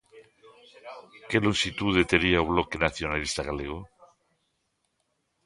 ¿Que lonxitude tería o Bloque Nacionalista Galego?